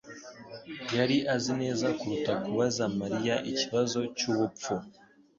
yari azi neza kuruta kubaza Mariya ikibazo cyubupfu.